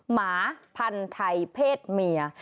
หมาพันธัยเพศเมีย